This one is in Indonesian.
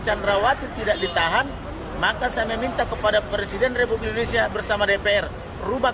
chandrawati tidak ditahan maka saya meminta kepada presiden republik indonesia bersama dpr rubah